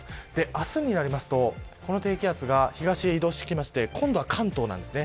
明日になりますと、この低気圧が東に移動してきまして今度は関東です。